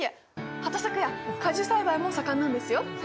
畑作や果樹栽培も盛んなんですよ。